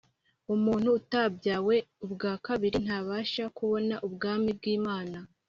“Umuntu utabyawe ubwa kabiri ntabasha kubona ubwami bw”Imana